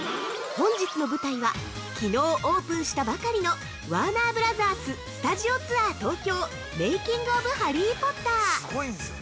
◆本日の舞台は、きのうオープンしたばかりの「ワーナーブラザーススタジオツアー東京メイキング・オブ・ハリー・ポッター」